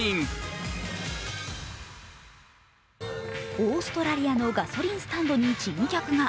オーストラリアのガソリンスタンドに珍客が。